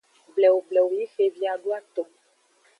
Blewu blewu yi xevi ado aton.